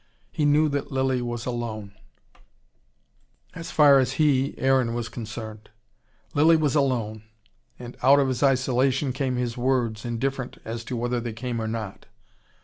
He knew that Lilly was alone as far as he, Aaron, was concerned. Lilly was alone and out of his isolation came his words, indifferent as to whether they came or not.